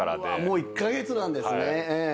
もう１カ月なんですね。